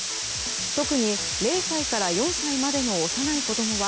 特に、０歳から４歳までの幼い子供は